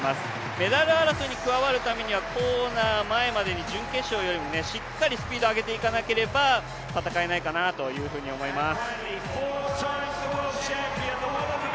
メダル争いに加わるためにはコーナー前までに準決勝よりもしっかりスピード上げていかなければ戦えないかなというふうに思います。